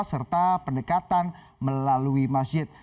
serta pendekatan melalui masjid